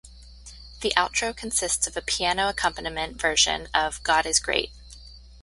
The outro consists of a piano accompaniment version of "God Is Great".